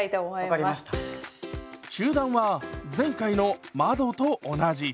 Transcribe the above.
中段は前回の窓と同じ。